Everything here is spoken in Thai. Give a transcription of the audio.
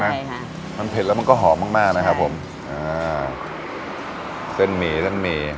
ใช่ค่ะมันเผ็ดแล้วมันก็หอมมากมากนะครับผมอ่าเส้นหมี่เส้นหมี่